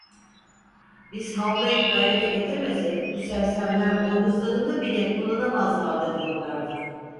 Biz havlayıp gayrete getirmesek bu sersemler boynuzlarını bile kullanamazlardı diyorlardı.